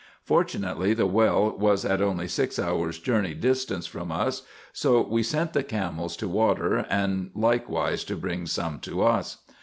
Fortunately the well was at only six hours' journey distance from us, so we sent the camels to water, and likewise to bring some to us.